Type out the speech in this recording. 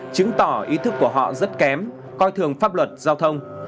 chứng tỏ ý thức của họ rất kém coi thường pháp luật giao thông